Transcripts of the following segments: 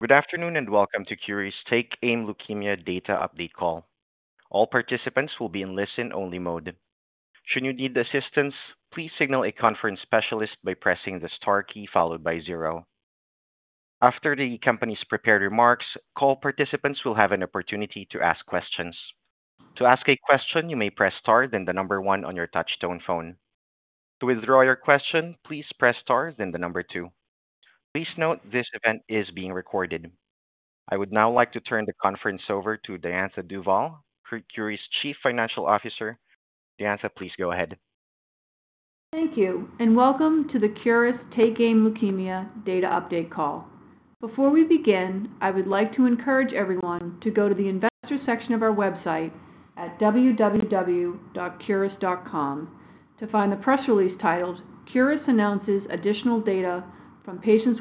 Good afternoon and welcome to Curis' TakeAim Leukemia Data Update Call. All participants will be in listen-only mode. Should you need assistance, please signal a conference specialist by pressing the star key followed by zero. After the company's prepared remarks, call participants will have an opportunity to ask questions. To ask a question, you may press star then the number one on your touch-tone phone. To withdraw your question, please press star then the number two. Please note this event is being recorded. I would now like to turn the conference over to Diantha Duvall, Curis' Chief Financial Officer. Diantha, please go ahead. Thank you, and welcome to the Curis TakeAim Leukemia Data Update Call. Before we begin, I would like to encourage everyone to go to the investor section of our website at www.curis.com to find the press release titled "Curis Announces Additional Data from Patients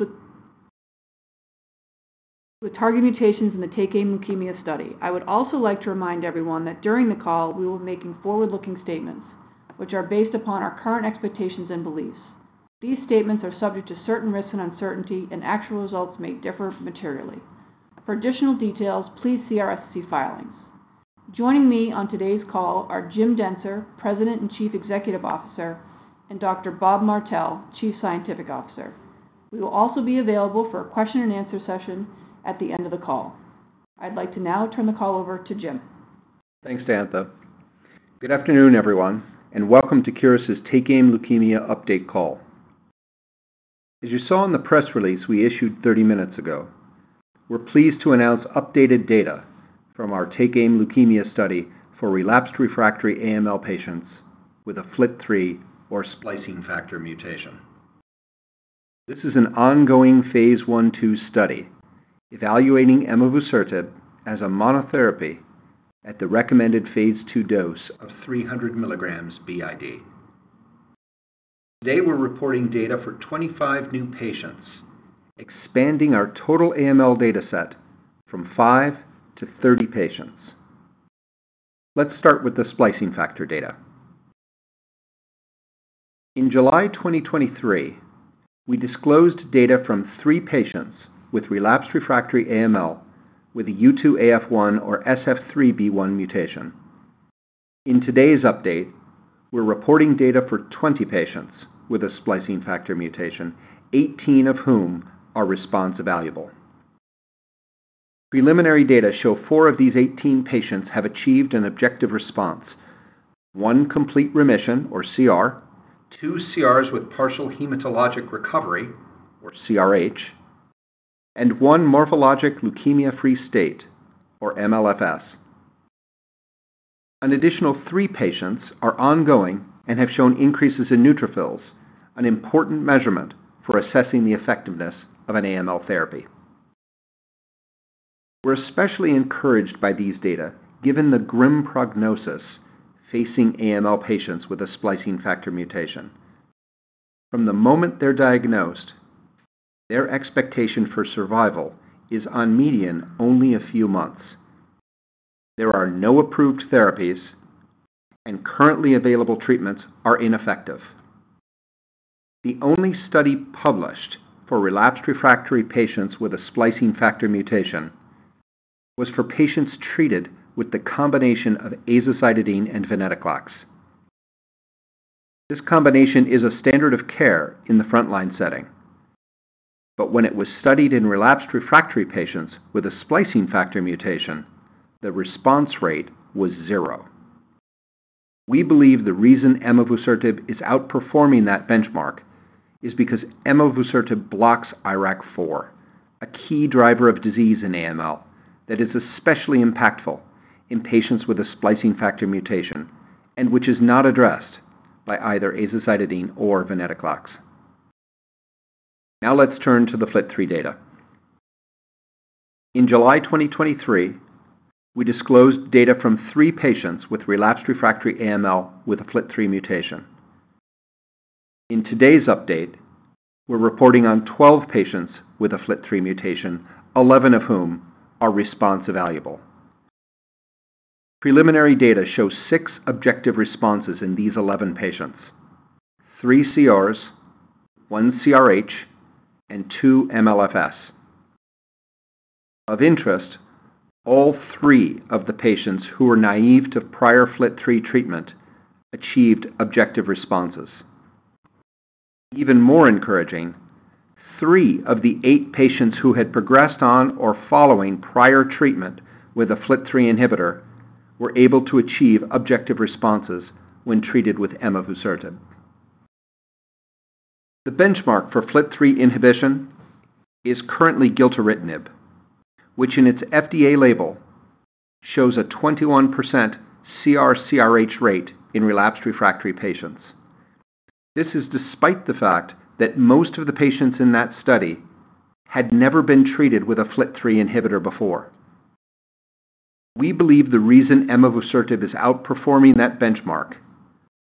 with Target Mutations in the TakeAim Leukemia Study." I would also like to remind everyone that during the call we will be making forward-looking statements, which are based upon our current expectations and beliefs. These statements are subject to certain risks and uncertainty, and actual results may differ materially. For additional details, please see our SEC filings. Joining me on today's call are Jim Dentzer, President and Chief Executive Officer, and Dr. Bob Martell, Chief Scientific Officer. We will also be available for a question-and-answer session at the end of the call. I'd like to now turn the call over to Jim. Thanks, Diantha. Good afternoon, everyone, and welcome to Curis' TakeAim Leukemia Update Call. As you saw in the press release we issued 30 minutes ago, we're pleased to announce updated data from our TakeAim Leukemia Study for relapsed refractory AML patients with a FLT3 or splicing factor mutation. This is an ongoing phase I/II study evaluating emavusertib as a monotherapy at the recommended phase II dose of 300 mg b.i.d. Today we're reporting data for 25 new patients, expanding our total AML dataset from five to 30 patients. Let's start with the splicing factor data. In July 2023, we disclosed data from three patients with relapsed refractory AML with a U2AF1 or SF3B1 mutation. In today's update, we're reporting data for 20 patients with a splicing factor mutation, 18 of whom are response evaluable. Preliminary data show four of these 18 patients have achieved an objective response: one complete remission, or CR, two CRs with partial hematologic recovery, or CRh, and one morphologic leukemia-free state, or MLFS. An additional three patients are ongoing and have shown increases in neutrophils, an important measurement for assessing the effectiveness of an AML therapy. We're especially encouraged by these data given the grim prognosis facing AML patients with a splicing factor mutation. From the moment they're diagnosed, their expectation for survival is on median only a few months. There are no approved therapies, and currently available treatments are ineffective. The only study published for relapsed refractory patients with a splicing factor mutation was for patients treated with the combination of azacitidine and venetoclax. This combination is a standard of care in the frontline setting, but when it was studied in relapsed refractory patients with a splicing factor mutation, the response rate was zero. We believe the reason emavusertib is outperforming that benchmark is because emavusertib blocks IRAK4, a key driver of disease in AML that is especially impactful in patients with a splicing factor mutation and which is not addressed by either azacitidine or venetoclax. Now let's turn to the FLT3 data. In July 2023, we disclosed data from three patients with relapsed refractory AML with a FLT3 mutation. In today's update, we're reporting on 12 patients with a FLT3 mutation, 11 of whom are response evaluable. Preliminary data show six objective responses in these 11 patients: three CRs, one CRh, and two MLFS. Of interest, all three of the patients who were naive to prior FLT3 treatment achieved objective responses. Even more encouraging, three of the eight patients who had progressed on or following prior treatment with a FLT3 inhibitor were able to achieve objective responses when treated with emavusertib. The benchmark for FLT3 inhibition is currently gilteritinib, which in its FDA label shows a 21% CR/CRh rate in relapsed refractory patients. This is despite the fact that most of the patients in that study had never been treated with a FLT3 inhibitor before. We believe the reason emavusertib is outperforming that benchmark,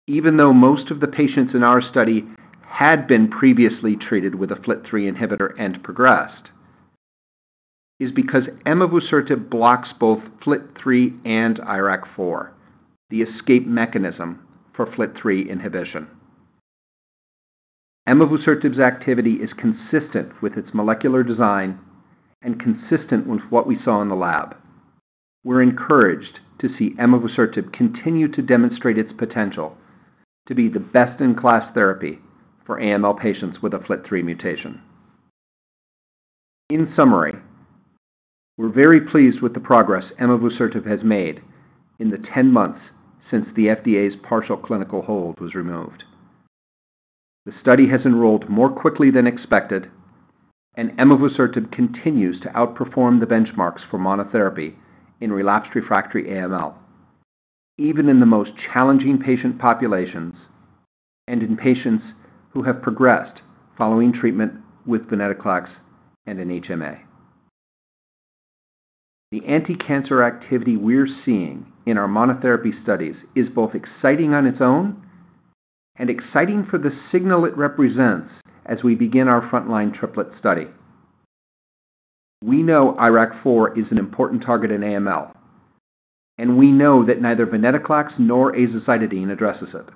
even though most of the patients in our study had been previously treated with a FLT3 inhibitor and progressed, is because emavusertib blocks both FLT3 and IRAK4, the escape mechanism for FLT3 inhibition. Emavusertib's activity is consistent with its molecular design and consistent with what we saw in the lab. We're encouraged to see emavusertib continue to demonstrate its potential to be the best-in-class therapy for AML patients with a FLT3 mutation. In summary, we're very pleased with the progress emavusertib has made in the 10 months since the FDA's partial clinical hold was removed. The study has enrolled more quickly than expected, and emavusertib continues to outperform the benchmarks for monotherapy in relapsed refractory AML, even in the most challenging patient populations and in patients who have progressed following treatment with venetoclax and HMA. The anticancer activity we're seeing in our monotherapy studies is both exciting on its own and exciting for the signal it represents as we begin our frontline triplet study. We know IRAK4 is an important target in AML, and we know that neither venetoclax nor azacitidine addresses it.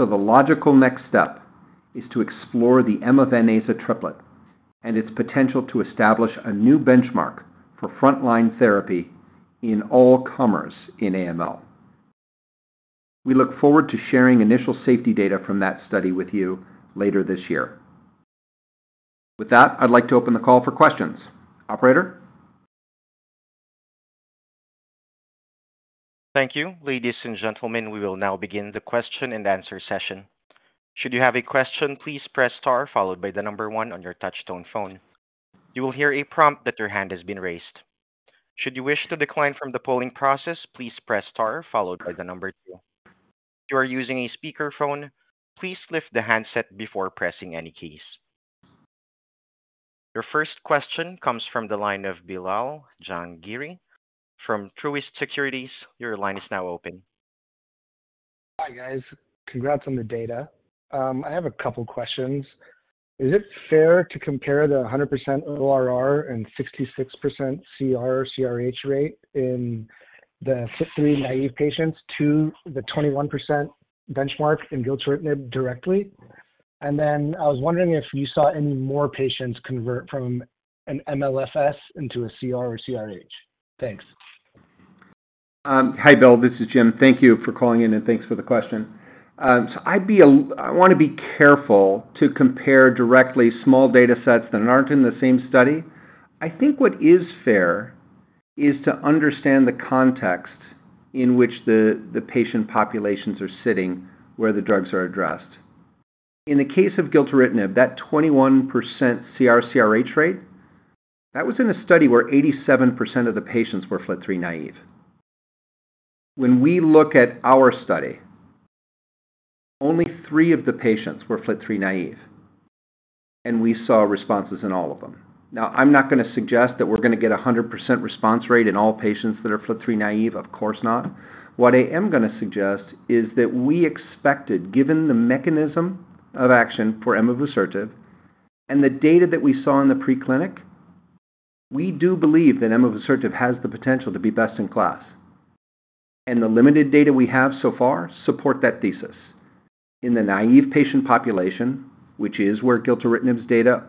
So the logical next step is to explore the emavusertib triplet and its potential to establish a new benchmark for frontline therapy in all comers in AML. We look forward to sharing initial safety data from that study with you later this year. With that, I'd like to open the call for questions. Operator? Thank you, ladies and gentlemen. We will now begin the question-and-answer session. Should you have a question, please press star followed by the number one on your touch-tone phone. You will hear a prompt that your hand has been raised. Should you wish to decline from the polling process, please press star followed by the number two. If you are using a speakerphone, please lift the handset before pressing any keys. Your first question comes from the line of Bilal Janggiri from Truist Securities. Your line is now open. Hi guys, congrats on the data. I have a couple questions. Is it fair to compare the 100% ORR and 66% CR/CRh rate in the FLT3 naive patients to the 21% benchmark in gilteritinib directly? And then I was wondering if you saw any more patients convert from an MLFS into a CR or CRh. Thanks. Hi Bill, this is Jim. Thank you for calling in and thanks for the question. So I want to be careful to compare directly small datasets that aren't in the same study. I think what is fair is to understand the context in which the patient populations are sitting where the drugs are addressed. In the case of gilteritinib, that 21% CR/CRh rate, that was in a study where 87% of the patients were FLT3 naive. When we look at our study, only three of the patients were FLT3 naive, and we saw responses in all of them. Now, I'm not going to suggest that we're going to get a 100% response rate in all patients that are FLT3 naive. Of course not. What I am going to suggest is that we expected, given the mechanism of action for emavusertib and the data that we saw in the preclinical, we do believe that emavusertib has the potential to be best-in-class. And the limited data we have so far support that thesis. In the naive patient population, which is where gilteritinib's data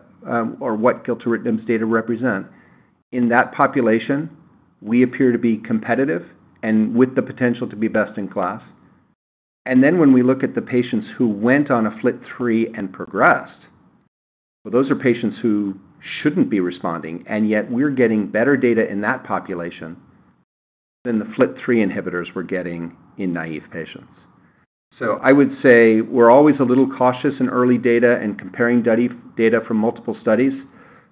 or what gilteritinib's data represent, in that population we appear to be competitive and with the potential to be best-in-class. And then when we look at the patients who went on a FLT3 and progressed, well, those are patients who shouldn't be responding, and yet we're getting better data in that population than the FLT3 inhibitors we're getting in naive patients. I would say we're always a little cautious in early data and comparing data from multiple studies,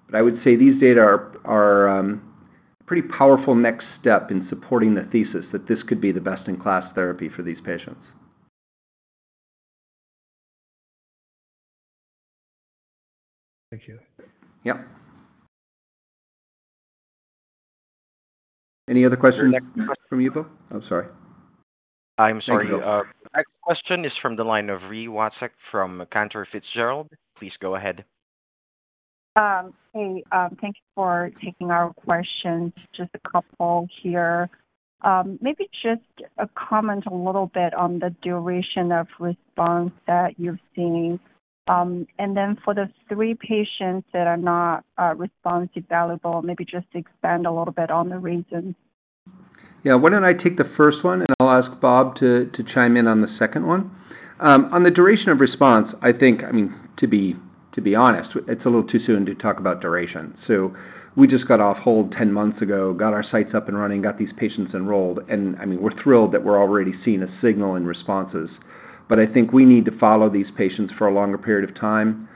but I would say these data are a pretty powerful next step in supporting the thesis that this could be the best-in-class therapy for these patients. Thank you. Yep. Any other questions? Next question from you both? Oh, sorry. I'm sorry. Thank you. Next question is from the line of Li Watsek from Cantor Fitzgerald. Please go ahead. Hey, thank you for taking our questions. Just a couple here. Maybe just a comment a little bit on the duration of response that you've seen. Then for the three patients that are not response evaluable, maybe just expand a little bit on the reasons. Yeah, why don't I take the first one, and I'll ask Bob to chime in on the second one. On the duration of response, I think, I mean, to be honest, it's a little too soon to talk about duration. So we just got off hold 10 months ago, got our sites up and running, got these patients enrolled, and I mean, we're thrilled that we're already seeing a signal in responses. But I think we need to follow these patients for a longer period of time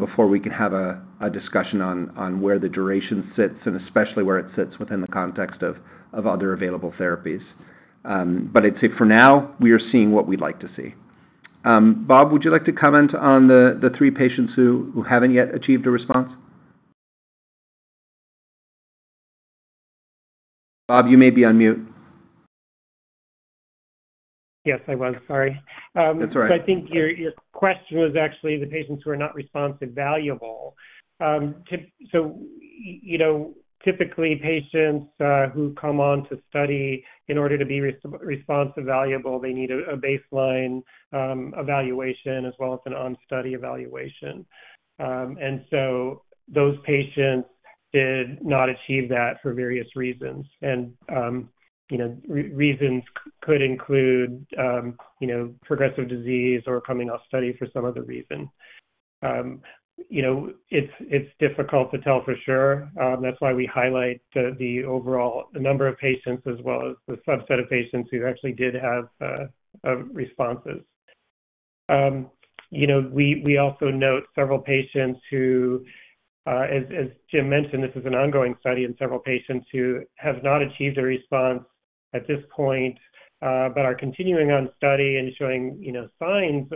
before we can have a discussion on where the duration sits and especially where it sits within the context of other available therapies. But I'd say for now, we are seeing what we'd like to see. Bob, would you like to comment on the three patients who haven't yet achieved a response? Bob, you may be on mute. Yes, I was. Sorry. That's all right. So I think your question was actually the patients who are not response evaluable. So typically, patients who come on to study in order to be response evaluable, they need a baseline evaluation as well as an on-study evaluation. And so those patients did not achieve that for various reasons. And reasons could include progressive disease or coming off study for some other reason. It's difficult to tell for sure. That's why we highlight the overall number of patients as well as the subset of patients who actually did have responses. We also note several patients who, as Jim mentioned, this is an ongoing study in several patients who have not achieved a response at this point but are continuing on study and showing signs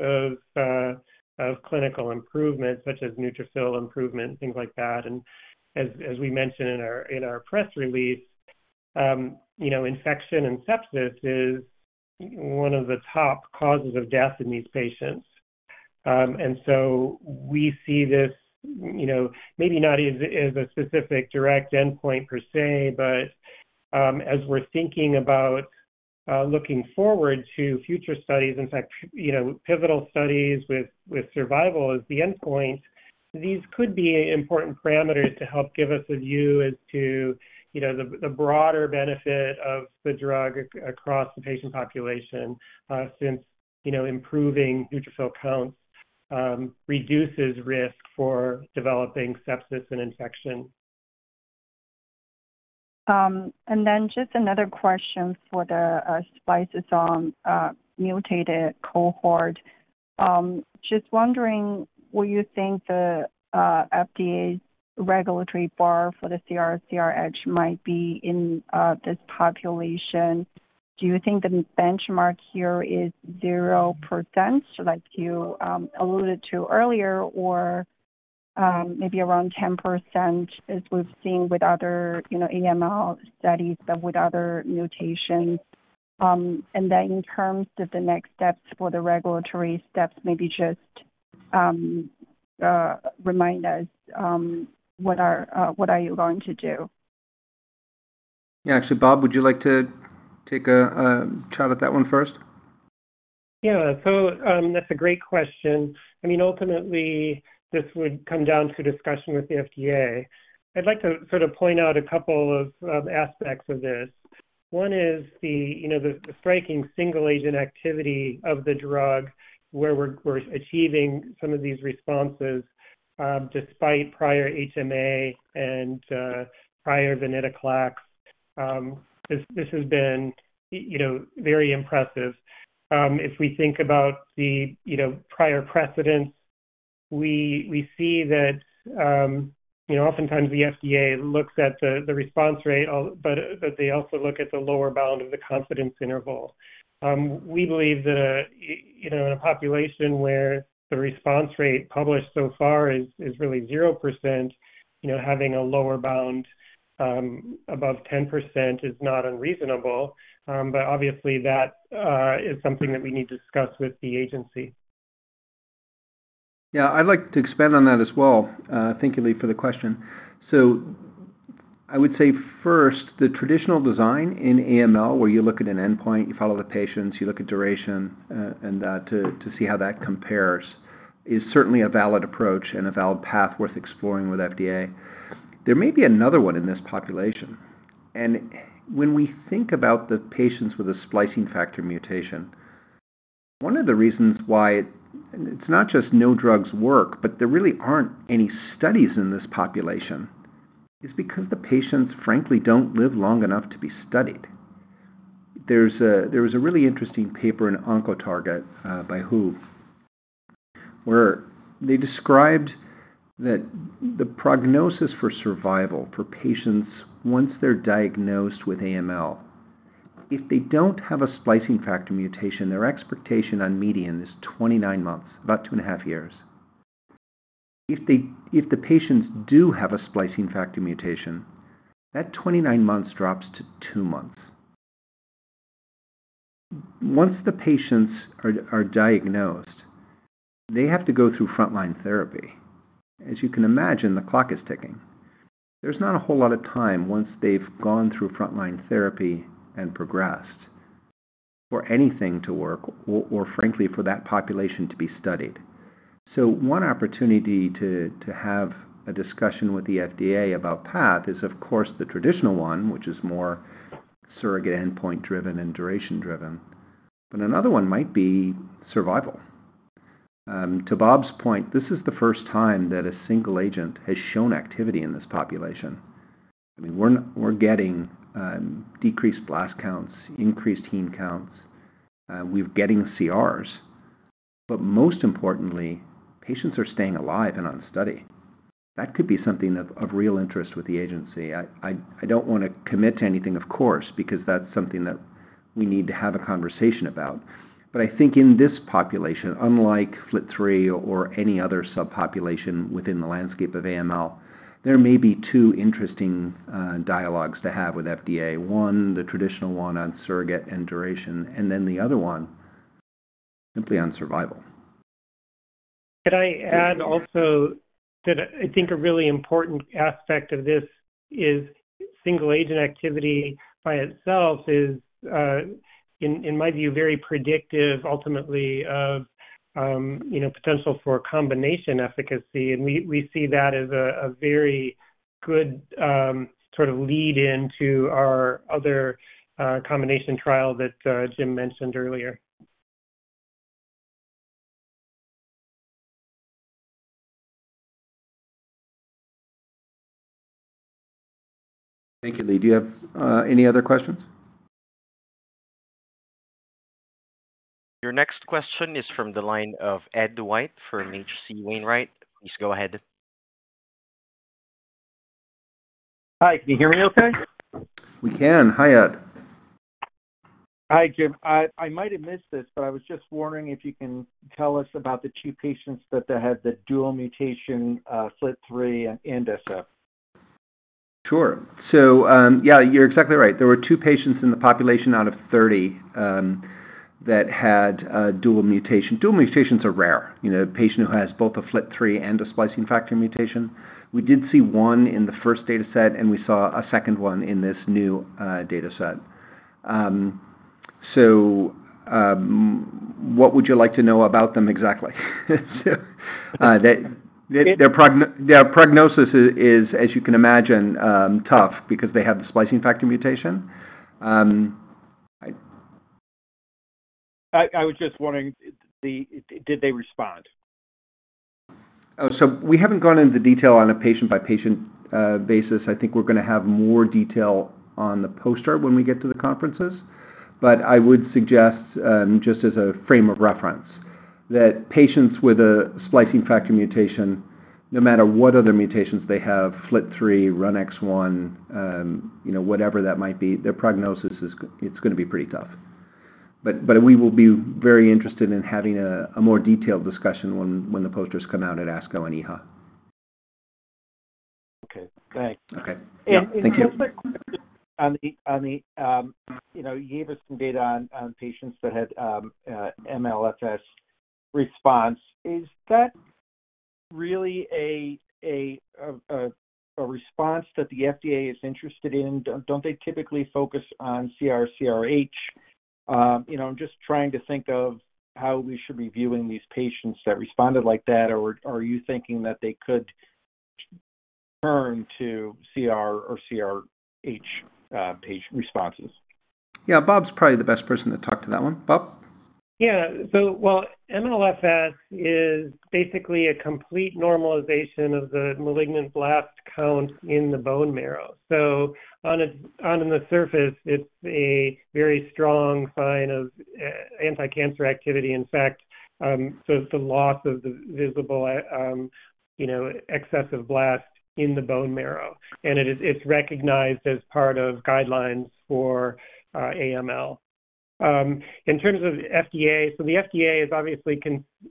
of clinical improvement such as neutrophil improvement, things like that. As we mentioned in our press release, infection and sepsis is one of the top causes of death in these patients. So we see this maybe not as a specific direct endpoint per se, but as we're thinking about looking forward to future studies, in fact, pivotal studies with survival as the endpoint, these could be important parameters to help give us a view as to the broader benefit of the drug across the patient population since improving neutrophil counts reduces risk for developing sepsis and infection. And then just another question for the splicing factor mutated cohort. Just wondering, do you think the FDA's regulatory bar for the CR/CRh might be in this population? Do you think the benchmark here is 0% like you alluded to earlier or maybe around 10% as we've seen with other AML studies but with other mutations? And then in terms of the next steps for the regulatory steps, maybe just remind us what are you going to do? Yeah, actually, Bob, would you like to take a shot at that one first? Yeah, so that's a great question. I mean, ultimately, this would come down to discussion with the FDA. I'd like to sort of point out a couple of aspects of this. One is the striking single-agent activity of the drug where we're achieving some of these responses despite prior HMA and prior venetoclax. This has been very impressive. If we think about the prior precedence, we see that oftentimes the FDA looks at the response rate, but they also look at the lower bound of the confidence interval. We believe that in a population where the response rate published so far is really 0%, having a lower bound above 10% is not unreasonable. But obviously, that is something that we need to discuss with the agency. Yeah, I'd like to expand on that as well. Thank you, Li, for the question. So I would say first, the traditional design in AML where you look at an endpoint, you follow the patients, you look at duration, and to see how that compares is certainly a valid approach and a valid path worth exploring with FDA. There may be another one in this population. And when we think about the patients with a splicing factor mutation, one of the reasons why it's not just no drugs work, but there really aren't any studies in this population is because the patients, frankly, don't live long enough to be studied. There was a really interesting paper in Oncotarget by WHO where they described that the prognosis for survival for patients once they're diagnosed with AML, if they don't have a splicing factor mutation, their expectation on median is 29 months, about 2.5 years. If the patients do have a splicing factor mutation, that 29 months drops to two months. Once the patients are diagnosed, they have to go through frontline therapy. As you can imagine, the clock is ticking. There's not a whole lot of time once they've gone through frontline therapy and progressed for anything to work or, frankly, for that population to be studied. So one opportunity to have a discussion with the FDA about path is, of course, the traditional one, which is more surrogate endpoint-driven and duration-driven. But another one might be survival. To Bob's point, this is the first time that a single agent has shown activity in this population. I mean, we're getting decreased blast counts, increased heme counts. We're getting CRs. But most importantly, patients are staying alive and on study. That could be something of real interest with the agency. I don't want to commit to anything, of course, because that's something that we need to have a conversation about. But I think in this population, unlike FLT3 or any other subpopulation within the landscape of AML, there may be two interesting dialogues to have with FDA. One, the traditional one on surrogate and duration, and then the other one simply on survival. Can I add also that I think a really important aspect of this is single-agent activity by itself is, in my view, very predictive, ultimately, of potential for combination efficacy. We see that as a very good sort of lead into our other combination trial that Jim mentioned earlier. Thank you, Li. Do you have any other questions? Your next question is from the line of Ed White from H.C. Wainwright. Please go ahead. Hi, can you hear me okay? We can. Hi, Ed. Hi, Jim. I might have missed this, but I was just wondering if you can tell us about the two patients that had the dual mutation, FLT3 and SF? Sure. So yeah, you're exactly right. There were two patients in the population out of 30 that had dual mutation. Dual mutations are rare. A patient who has both a FLT3 and a splicing factor mutation. We did see one in the first dataset, and we saw a second one in this new dataset. So what would you like to know about them exactly? Their prognosis is, as you can imagine, tough because they have the splicing factor mutation. I was just wondering, did they respond? Oh, so we haven't gone into detail on a patient-by-patient basis. I think we're going to have more detail on the post hoc when we get to the conferences. But I would suggest, just as a frame of reference, that patients with a splicing factor mutation, no matter what other mutations they have, FLT3, RUNX1, whatever that might be, their prognosis, it's going to be pretty tough. But we will be very interested in having a more detailed discussion when the posters come out at ASCO and EHA. Okay. Thanks. Okay. Yeah, thank you. One quick question on the data you gave us some data on patients that had MLFS response. Is that really a response that the FDA is interested in? Don't they typically focus on CR/CRh? I'm just trying to think of how we should be viewing these patients that responded like that. Or are you thinking that they could turn to CR or CRh responses? Yeah, Bob's probably the best person to talk to that one. Bob? Yeah. So well, MLFS is basically a complete normalization of the malignant blast count in the bone marrow. So on the surface, it's a very strong sign of anti-cancer activity. In fact, the loss of the visible excessive blast in the bone marrow. And it's recognized as part of guidelines for AML. In terms of the FDA, so the FDA is obviously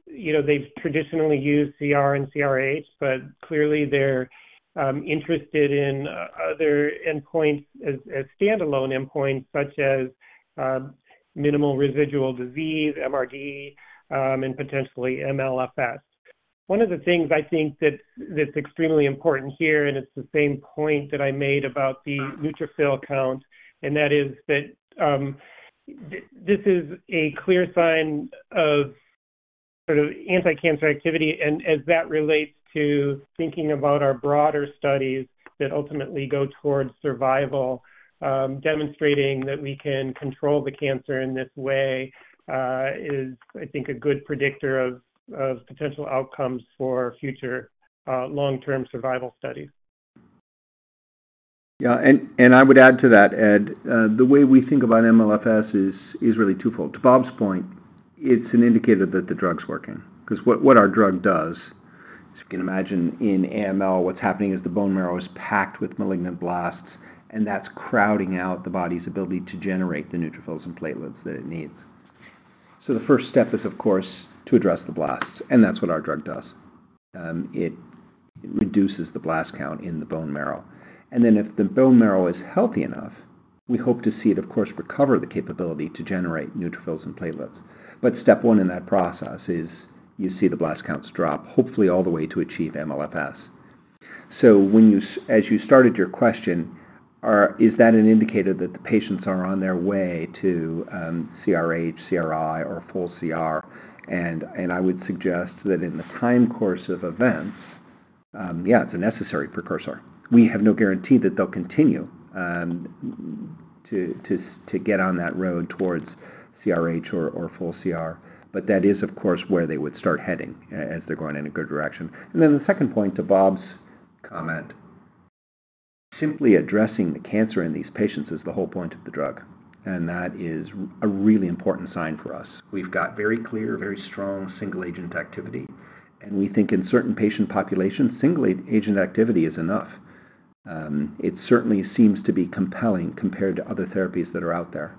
they've traditionally used CR and CRh, but clearly, they're interested in other endpoints as standalone endpoints such as minimal residual disease, MRD, and potentially MLFS. One of the things I think that's extremely important here, and it's the same point that I made about the neutrophil count, and that is that this is a clear sign of sort of anti-cancer activity. As that relates to thinking about our broader studies that ultimately go towards survival, demonstrating that we can control the cancer in this way is, I think, a good predictor of potential outcomes for future long-term survival studies. Yeah. And I would add to that, Ed, the way we think about MLFS is really twofold. To Bob's point, it's an indicator that the drug's working because what our drug does, as you can imagine, in AML, what's happening is the bone marrow is packed with malignant blasts, and that's crowding out the body's ability to generate the neutrophils and platelets that it needs. So the first step is, of course, to address the blasts. And that's what our drug does. It reduces the blast count in the bone marrow. And then if the bone marrow is healthy enough, we hope to see it, of course, recover the capability to generate neutrophils and platelets. But step one in that process is you see the blast counts drop, hopefully all the way to achieve MLFS. So as you started your question, is that an indicator that the patients are on their way to CRh, CRi, or full CR? And I would suggest that in the time course of events, yeah, it's a necessary precursor. We have no guarantee that they'll continue to get on that road towards CRh or full CR. But that is, of course, where they would start heading as they're going in a good direction. And then the second point to Bob's comment, simply addressing the cancer in these patients is the whole point of the drug. And that is a really important sign for us. We've got very clear, very strong single-agent activity. And we think in certain patient populations, single-agent activity is enough. It certainly seems to be compelling compared to other therapies that are out there.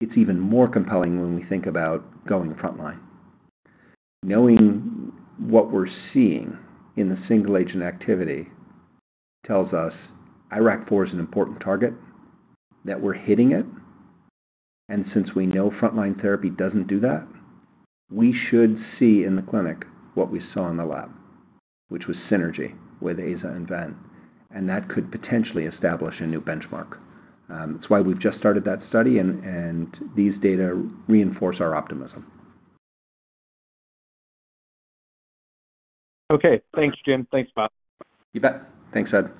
It's even more compelling when we think about going frontline. Knowing what we're seeing in the single-agent activity tells us IRAK4 is an important target, that we're hitting it. And since we know frontline therapy doesn't do that, we should see in the clinic what we saw in the lab, which was synergy with AZA and VEN. And that could potentially establish a new benchmark. That's why we've just started that study, and these data reinforce our optimism. Okay. Thanks, Jim. Thanks, Bob. You bet. Thanks, Ed.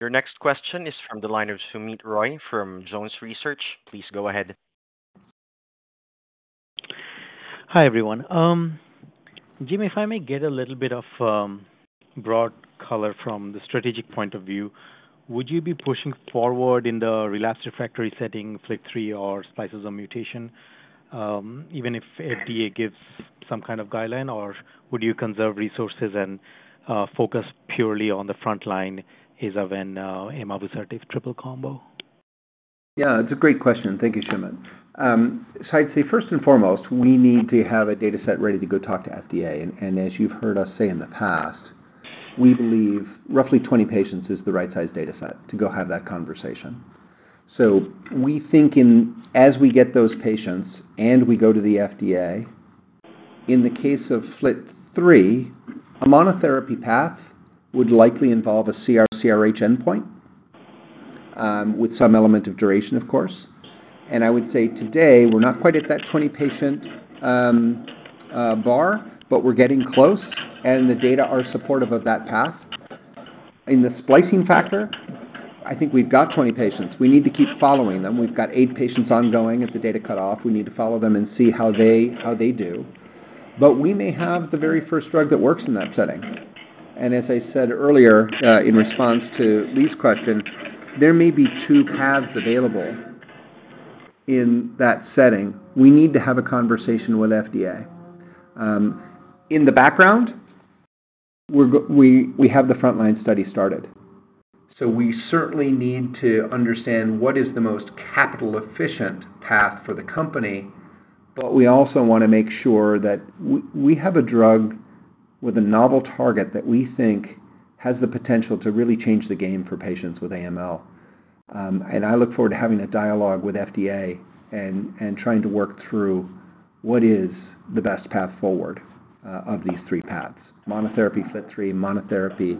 Your next question is from the line of Soumit Roy from Jones Research. Please go ahead. Hi, everyone. Jim, if I may get a little bit of broad color from the strategic point of view, would you be pushing forward in the relapsed refractory setting, FLT3, or splicing factor mutation, even if FDA gives some kind of guideline? Or would you conserve resources and focus purely on the frontline, AZA, VEN, emavusertib, triple combo? Yeah, it's a great question. Thank you, Soumit. So I'd say first and foremost, we need to have a dataset ready to go talk to FDA. And as you've heard us say in the past, we believe roughly 20 patients is the right-sized dataset to go have that conversation. So we think as we get those patients and we go to the FDA, in the case of FLT3, a monotherapy path would likely involve a CR/CRh endpoint with some element of duration, of course. And I would say today, we're not quite at that 20-patient bar, but we're getting close, and the data are supportive of that path. In the splicing factor, I think we've got 20 patients. We need to keep following them. We've got eight patients ongoing at the data cutoff. We need to follow them and see how they do. But we may have the very first drug that works in that setting. And as I said earlier, in response to Li's question, there may be two paths available in that setting. We need to have a conversation with FDA. In the background, we have the frontline study started. So we certainly need to understand what is the most capital-efficient path for the company. But we also want to make sure that we have a drug with a novel target that we think has the potential to really change the game for patients with AML. And I look forward to having a dialogue with FDA and trying to work through what is the best path forward of these three paths: monotherapy, FLT3, monotherapy,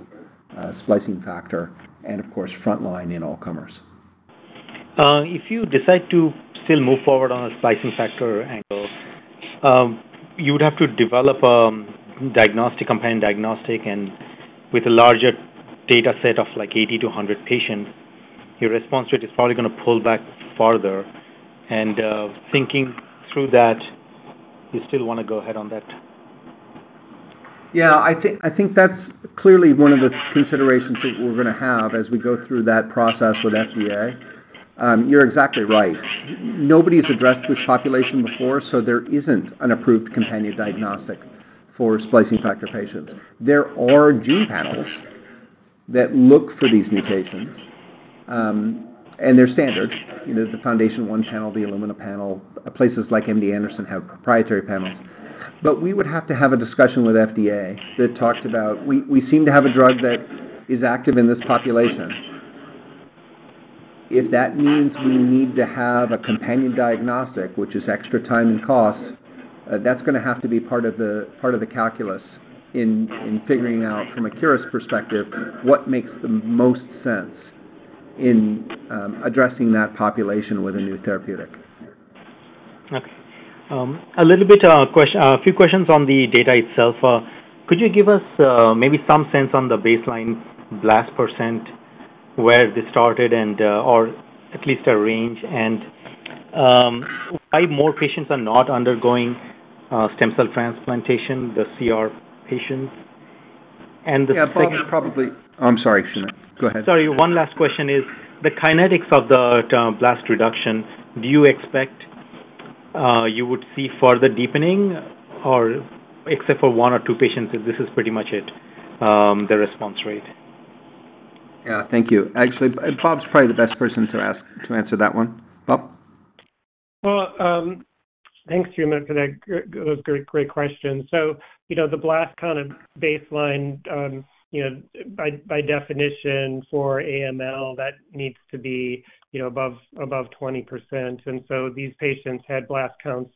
splicing factor, and, of course, frontline in all comers. If you decide to still move forward on a splicing factor angle, you would have to develop a compelling diagnostic. With a larger dataset of like 80-100 patients, your response rate is probably going to pull back further. Thinking through that, you still want to go ahead on that? Yeah, I think that's clearly one of the considerations that we're going to have as we go through that process with FDA. You're exactly right. Nobody's addressed this population before, so there isn't an approved companion diagnostic for splicing factor patients. There are gene panels that look for these mutations, and they're standard: the FoundationOne panel, the Illumina panel. Places like MD Anderson have proprietary panels. But we would have to have a discussion with FDA that talked about, "We seem to have a drug that is active in this population." If that means we need to have a companion diagnostic, which is extra time and cost, that's going to have to be part of the calculus in figuring out, from a Curis perspective, what makes the most sense in addressing that population with a new therapeutic. Okay. A little bit of a question, a few questions on the data itself. Could you give us maybe some sense on the baseline blast percent, where this started, or at least a range, and why more patients are not undergoing stem cell transplantation, the CR patients, and the sick? Yeah, probably. I'm sorry, Soumit. Go ahead. Sorry. One last question is, the kinetics of the blast reduction, do you expect you would see further deepening except for one or two patients? This is pretty much it, the response rate. Yeah, thank you. Actually, Bob's probably the best person to answer that one. Bob? Well, thanks, Soumit, for those great questions. So the blast count of baseline, by definition, for AML, that needs to be above 20%. And so these patients had blast counts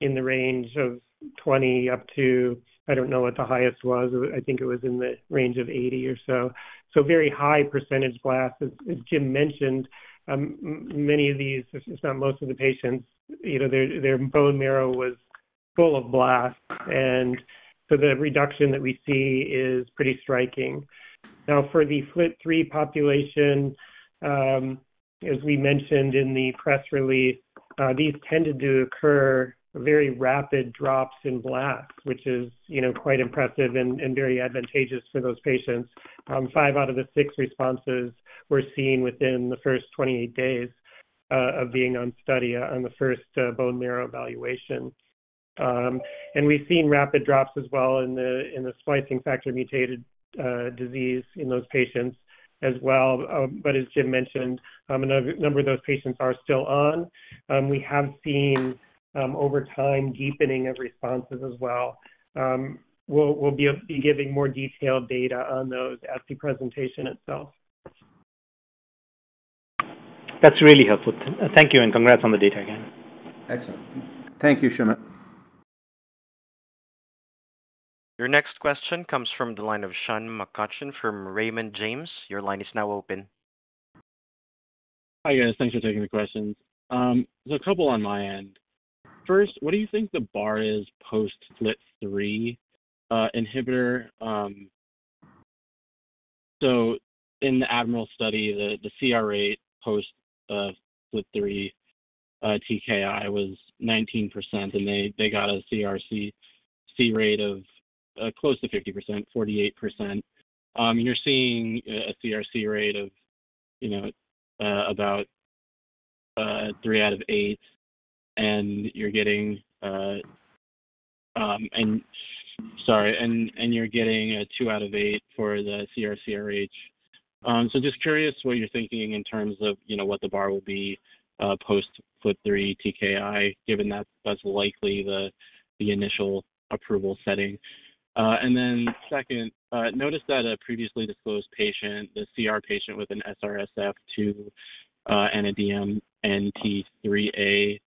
in the range of 20 up to I don't know what the highest was. I think it was in the range of 80 or so. So very high percentage blast. As Jim mentioned, many of these, if not most of the patients, their bone marrow was full of blast. And so the reduction that we see is pretty striking. Now, for the FLT3 population, as we mentioned in the press release, these tended to occur very rapid drops in blast, which is quite impressive and very advantageous for those patients. Five out of the six responses were seen within the first 28 days of being on study on the first bone marrow evaluation. We've seen rapid drops as well in the splicing factor mutated disease in those patients as well. But as Jim mentioned, a number of those patients are still on. We have seen, over time, deepening of responses as well. We'll be giving more detailed data on those at the presentation itself. That's really helpful. Thank you and congrats on the data again. Excellent. Thank you, Soumit. Your next question comes from the line of Sean McCutcheon from Raymond James. Your line is now open. Hi, guys. Thanks for taking the questions. There's a couple on my end. First, what do you think the bar is post-FLT3 inhibitor? So in the Admiral Study, the CR rate post-FLT3 TKI was 19%, and they got a CRc rate of close to 50%, 48%. You're seeing a CRc rate of about three out of eight, and you're getting a two out of eight for the CR/CRh. So just curious what you're thinking in terms of what the bar will be post-FLT3 TKI, given that that's likely the initial approval setting. And then second, notice that a previously disclosed patient, the CR patient with an SRSF2 and a DNMT3A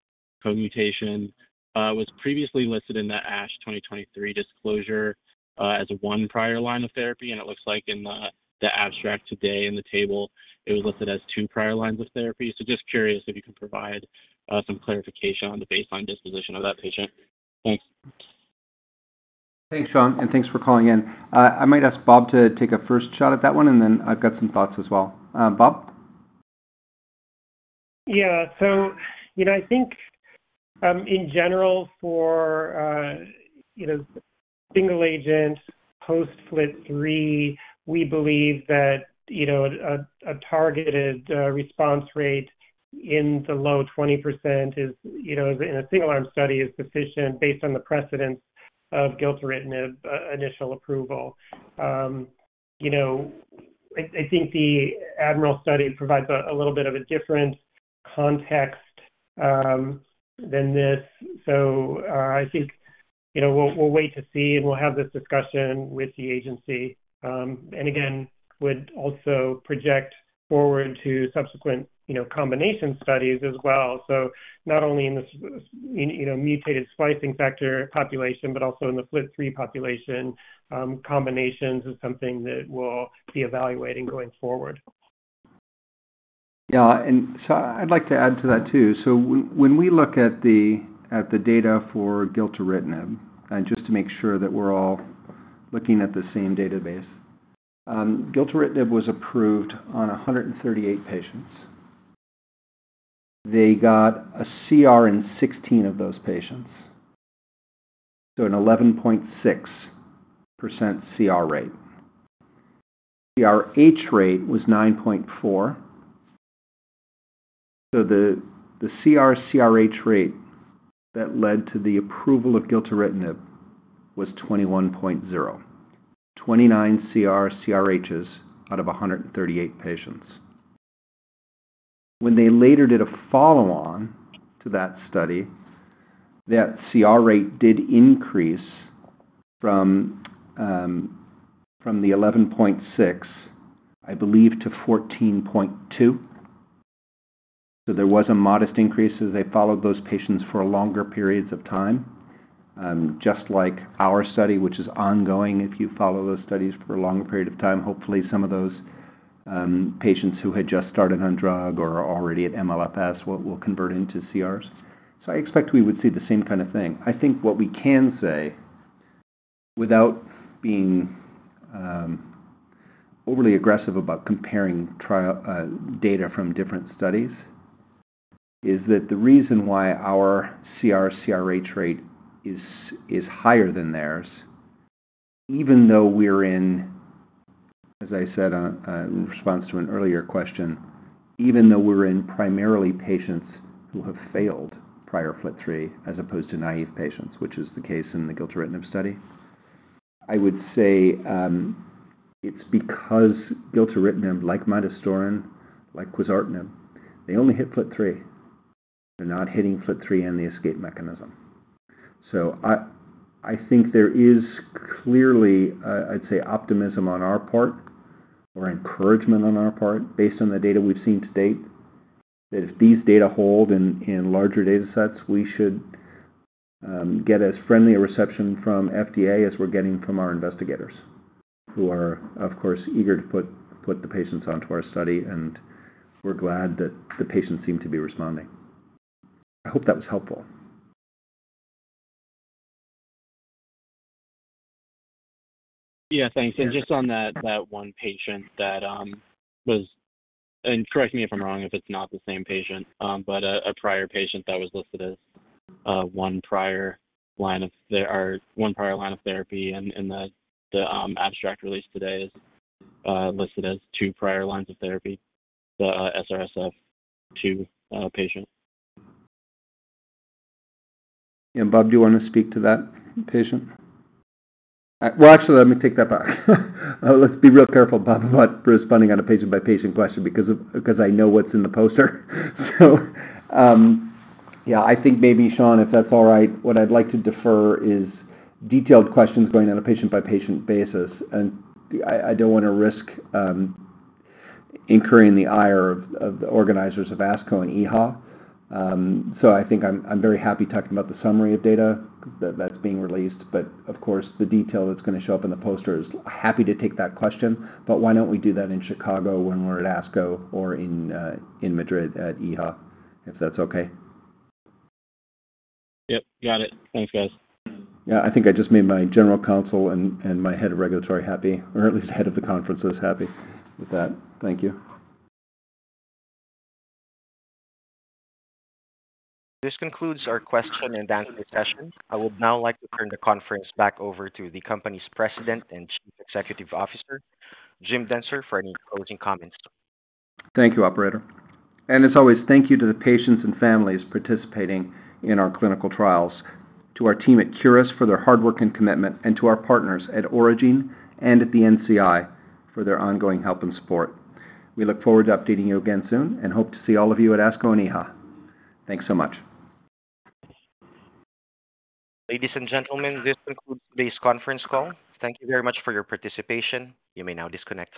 co-mutation, was previously listed in the ASH 2023 disclosure as one prior line of therapy. And it looks like in the abstract today in the table, it was listed as two prior lines of therapy. Just curious if you can provide some clarification on the baseline disposition of that patient. Thanks. Thanks, Sean. Thanks for calling in. I might ask Bob to take a first shot at that one, and then I've got some thoughts as well. Bob? Yeah. So I think, in general, for single-agent post-FLT3, we believe that a targeted response rate in the low 20%, in a single-arm study, is sufficient based on the precedence of gilteritinib and initial approval. I think the Admiral Study provides a little bit of a different context than this. So I think we'll wait to see, and we'll have this discussion with the agency. And again, would also project forward to subsequent combination studies as well. So not only in the mutated splicing factor population, but also in the FLT3 population, combinations is something that we'll be evaluating going forward. Yeah. And so I'd like to add to that too. So when we look at the data for gilteritinib and just to make sure that we're all looking at the same database, gilteritinib was approved on 138 patients. They got a CR in 16 of those patients, so an 11.6% CR rate. CRh rate was 9.4%. So the CR/CRh rate that led to the approval of gilteritinib was 21.0%, 29 CR/CRhs out of 138 patients. When they later did a follow-on to that study, that CR rate did increase from the 11.6%, I believe, to 14.2%. So there was a modest increase as they followed those patients for longer periods of time, just like our study, which is ongoing. If you follow those studies for a longer period of time, hopefully, some of those patients who had just started on drug or are already at MLFS will convert into CRs. So I expect we would see the same kind of thing. I think what we can say, without being overly aggressive about comparing data from different studies, is that the reason why our CR/CRh rate is higher than theirs, even though we're in, as I said, in response to an earlier question, even though we're in primarily patients who have failed prior FLT3 as opposed to naive patients, which is the case in the gilteritinib Admiral study, I would say it's because gilteritinib, like midostaurin, like quizartinib, they only hit FLT3. They're not hitting FLT3 and the escape mechanism. So I think there is clearly, I'd say, optimism on our part or encouragement on our part, based on the data we've seen to date, that if these data hold in larger datasets, we should get as friendly a reception from FDA as we're getting from our investigators, who are, of course, eager to put the patients onto our study. And we're glad that the patients seem to be responding. I hope that was helpful. Yeah, thanks. Just on that one patient that was, and correct me if I'm wrong if it's not the same patient, but a prior patient that was listed as one prior line of or one prior line of therapy. The abstract release today is listed as two prior lines of therapy, the SRSF2 patient. Yeah. Bob, do you want to speak to that patient? Well, actually, let me take that back. Let's be real careful, Bob, about responding on a patient-by-patient question because I know what's in the poster. So yeah, I think maybe, Sean, if that's all right, what I'd like to defer is detailed questions going on a patient-by-patient basis. And I don't want to risk incurring the ire of the organizers of ASCO and EHA. So I think I'm very happy talking about the summary of data that's being released. But of course, the detail that's going to show up in the poster is happy to take that question. But why don't we do that in Chicago when we're at ASCO or in Madrid at EHA, if that's okay? Yep, got it. Thanks, guys. Yeah, I think I just made my general counsel and my head of regulatory happy, or at least head of the conference is happy with that. Thank you. This concludes our question-and-answer session. I would now like to turn the conference back over to the company's President and Chief Executive Officer, Jim Dentzer, for any closing comments. Thank you, operator. As always, thank you to the patients and families participating in our clinical trials, to our team at Curis for their hard work and commitment, and to our partners at Aurigene and at the NCI for their ongoing help and support. We look forward to updating you again soon and hope to see all of you at ASCO and EHA. Thanks so much. Ladies and gentlemen, this concludes today's conference call. Thank you very much for your participation. You may now disconnect.